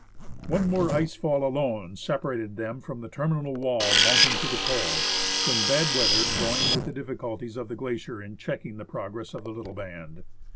One more ice fall alone separated them from the terminal wall mounting to the col, when bad weather joined with the difficulties of the glacier in checking the progress of the little band.